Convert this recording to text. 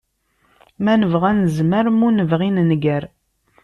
Ma nebɣa nezmer, ma ur nebɣi nenger.